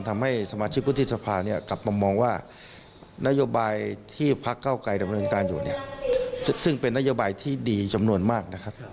มันเป็นนโยบายที่ดีจำนวนมากนะครับ